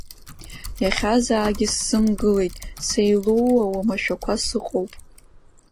Иахьа заагьы сзымгылеит, сеилууа, уамашәақәа сыҟоуп.